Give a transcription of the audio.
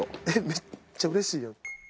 めっちゃうれしいやん。